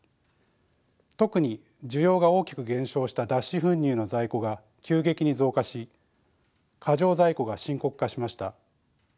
特に需要が大きく減少した脱脂粉乳の在庫が急激に増加し過剰在庫が深刻化しました。